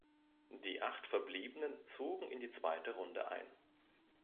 Die acht verbliebenen zogen in die zweite Runde ein.